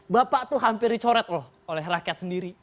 bapak tuh hampir dicoret loh oleh rakyat sendiri